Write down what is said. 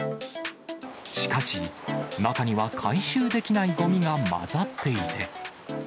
しかし、中には回収できないごみが混ざっていて。